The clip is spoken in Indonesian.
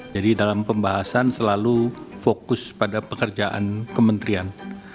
jadi dalam pembahasan selalu fokus pada pekerjaan kementerian